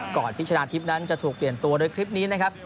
ก่อนที่ชนะทิพย์นั้นจะถูกเปลี่ยนตัวโดยคลิปนี้นะครับ